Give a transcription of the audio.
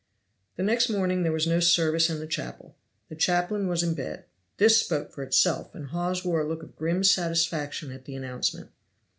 The next morning there was no service in the chapel, the chaplain was in bed. This spoke for itself, and Hawes wore a look of grim satisfaction at the announcement.